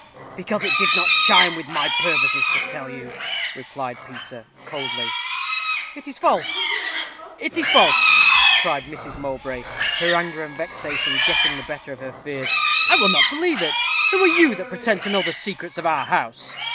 "Because it did not chime with my purposes to tell you," replied Peter, coldly. "It is false it is false," cried Mrs. Mowbray, her anger and vexation getting the better of her fears. "I will not believe it. Who are you, that pretend to know the secrets of our house?"